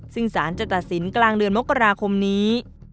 ซึ่งสารจะตัดสินกลางเดือนมกราคมนี้